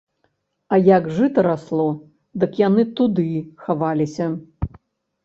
А як жыта расло, дык яны туды хаваліся.